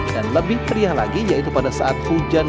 dan lebih pria lagi yaitu pada saat hujan